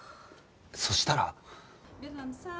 そしたら。